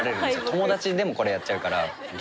友達でもこれやっちゃうから何か。